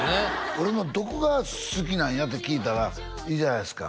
「俺のどこが好きなんや？」って聞いたら「いいじゃないですか」